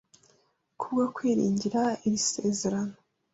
Kubwo kwiringira iri sezerano